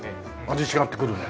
味違ってくるね。